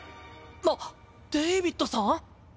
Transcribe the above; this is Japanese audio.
あっデイビッドさん⁉ん？